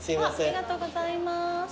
ありがとうございます。